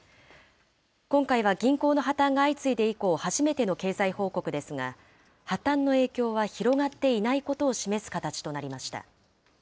今回は銀行の破綻が相次いで以降、初めての経済報告ですが、破綻の影響は広がっていないことを示す形となりました。